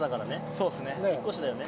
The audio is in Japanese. そうですね。